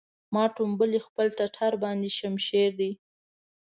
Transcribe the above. ما ټومبلی خپل ټټر باندې شمشېر دی